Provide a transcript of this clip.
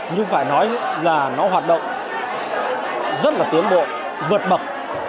nhưng phải nói là nó hoạt động rất là tiến bộ vượt bậc